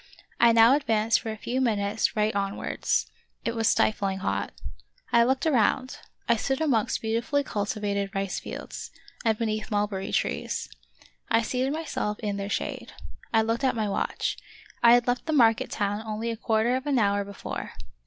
I now advanced for a few minutes right on wards. It was stifling hot. I looked around — I stood amongst beautifully cultivated rice flelds, and beneath mulberry trees. I seated myself in their shade. I looked at my watch ; I had left the market town only a quarter of an hour be fore.